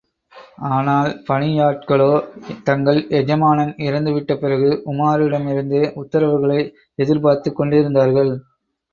ஆனால் பணியாட்களோ தங்கள் எஜமானன் இறந்துவிட்ட பிறகு உமாரிடமிருந்தே உத்தரவுகளை எதிர்பார்த்துக் கொண்டிருந்தார்கள்.